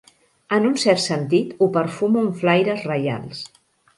En un cert sentit, ho perfumo amb flaires reials.